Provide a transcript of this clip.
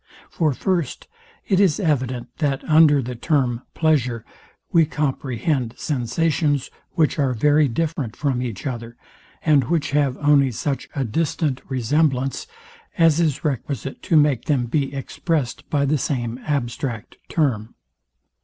For, first, tis evident, that under the term pleasure, we comprehend sensations, which are very different from each other, and which have only such a distant resemblance, as is requisite to make them be expressed by the same abstract term.